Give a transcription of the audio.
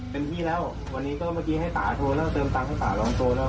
เต็มที่แล้ววันนี้ก็เมื่อกี้ให้ตาโทรแล้วเติมตังค์ให้ป่าร้องโตแล้ว